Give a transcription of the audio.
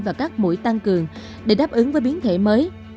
và các mũi tăng cường để đáp ứng với biến thể mới